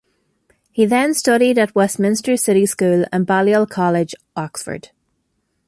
He then studied at Westminster City School and Balliol College, Oxford.